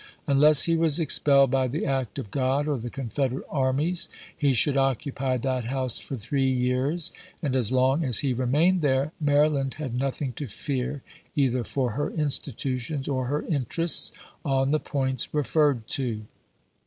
.. Unless he was expelled by the act of God or the Confederate armies, he should occupy that house for three years, and as long as he remained there Maryland had nothing to fear, either for her institutions or her interests, on the points referred to."